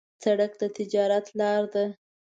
سړک د تجارت لار ده.